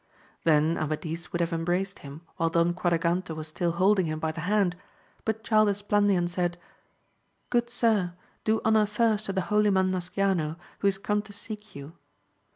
Then Amadis would have embraced him while Don Quadragante was still holding him by the hand, but child Esplandian said. Good sir, do honour first to the holy man Nasciano, who is come to seek you.